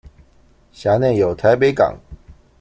轄內有臺北港